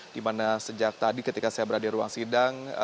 dimana sejak tadi ketika saya berada di ruang sidang